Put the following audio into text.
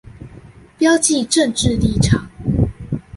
標記政治立場